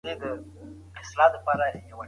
روښانه فکر ژوند نه دروي.